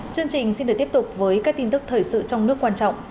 chương trình xin được tiếp tục với các tin tức thời sự trong nước quan trọng